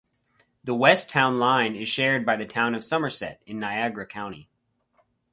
The west town line is shared by the Town of Somerset in Niagara County.